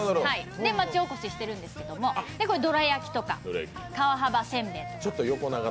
町おこししているんですけど、どら焼きとか川幅せんべいとか。